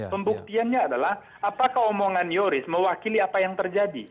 pembuktiannya adalah apakah omongan yoris mewakili apa yang terjadi